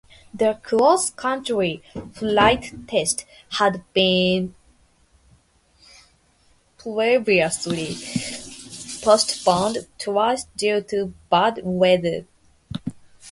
The cross-country flight test had been previously postponed twice due to bad weather.